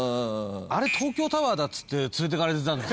あれ東京タワーだっつって連れてかれてたんです。